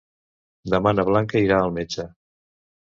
Demà na Blanca irà al metge.